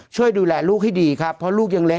ช่วยดูแลลูกให้ดีครับเพราะลูกยังเล็ก